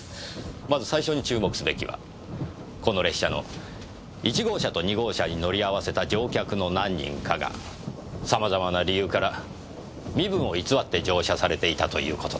まず最初に注目すべきはこの列車の１号車と２号車に乗り合わせた乗客の何人かが様々な理由から身分を偽って乗車されていたという事です。